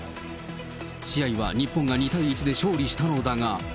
試合は日本が２対１で勝利したのだが。